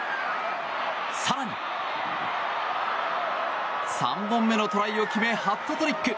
更に、３本目のトライを決めハットトリック。